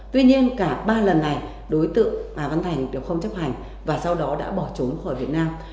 tuy nhiên cả ba lần này đối tượng hà văn thành đều không chấp hành và sau đó đã bỏ trốn khỏi việt nam